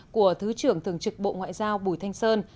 của thứ trưởng thường trực bộ ngoại giao bùi thanh sơn